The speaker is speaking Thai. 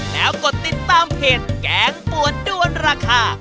แล้วกดติดตามเพจแกงปวดด้วนราคา